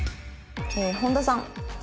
本田さん。